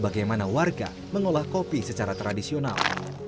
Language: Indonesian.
bagaimana warga mengolah kopi secara tradisional